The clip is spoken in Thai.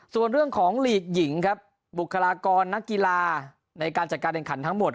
ส่วนเรื่องของลีกหญิงครับบุคลากรนักกีฬาในการจัดการแข่งขันทั้งหมด